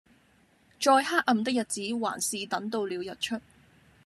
再黑暗的日子還是等到了日出